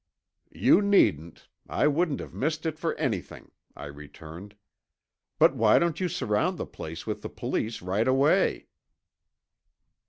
"You needn't. I wouldn't have missed it for anything," I returned. "But why don't you surround the place with the police right away?"